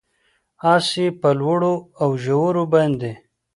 اس یې په لوړو اوژورو باندې،